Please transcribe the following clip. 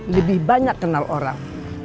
lebih banyak kenal orang